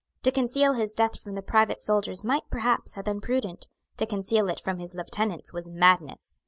To conceal his death from the private soldiers might perhaps have been prudent. To conceal it from his lieutenants was madness.